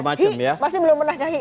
mas tono masih belum pernah ke hi